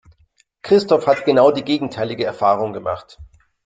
Christoph hat genau die gegenteilige Erfahrung gemacht.